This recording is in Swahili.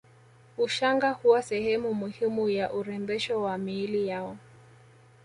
Ushanga huwa sehemu muhimu ya urembesho wa miili yao